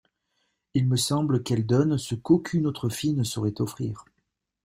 Il me semble qu'elle donne ce qu'aucune autre fille ne saurait offrir.